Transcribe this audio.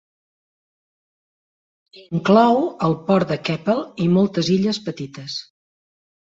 Inclou el port de Keppel i moltes illes petites.